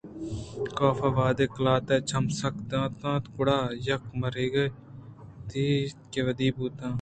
کاف ءَوہدے قلات ءَ چم سک دات اَنت گڑا یک مارگے آئی ءِ مجگ ءَ ودی بوت کہ آ یک ہما ڈولیں آدمی ذاتے ءَ چارگ ءَ اِنت کہ وتی چپ ءُچاگرد ءَ بے سُدءُسما اوشتاتگ